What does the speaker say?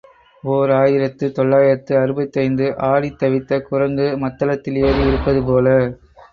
ஓர் ஆயிரத்து தொள்ளாயிரத்து அறுபத்தைந்து ஆடித் தவித்த குரங்கு மத்தளத்தில் ஏறி இருப்பது போல.